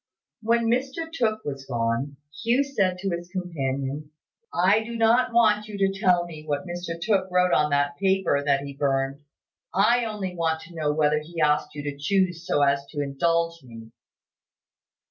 When Mr Tooke was gone, Hugh said to his companion, "I do not want you to tell me what Mr Tooke wrote on that paper that he burned. I only want to know whether he asked you to choose so as to indulge me."